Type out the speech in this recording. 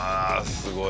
すごい！